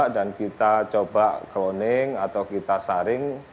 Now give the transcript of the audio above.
dan kita coba cloning atau kita saring